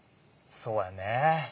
そうやね。